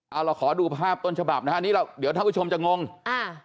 เอาเราขอดูภาพต้นฉบับนะฮะนี่เราเดี๋ยวท่านผู้ชมจะงงอ่า